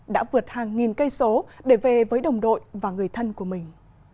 đã vượt hàng nghìn cây số để về với đồng đội và người thân của mình